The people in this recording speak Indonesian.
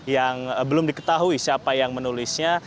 yang belum diketahui siapa yang menulisnya